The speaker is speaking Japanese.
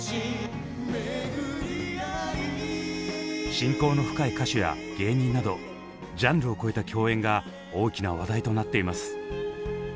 親交の深い歌手や芸人などジャンルを超えた共演が大きな話題となっています。